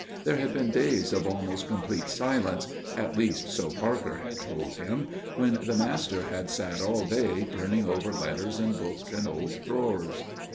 There had been days of almost complete silence, at least so Parker had told him, when the master had sat all day turning over letters and books and old drawers.